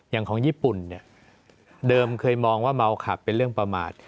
อย่างของญี่ปุ่นเนี่ยเดิมเคยมองว่าเมาขับเป็นเรื่องประมาท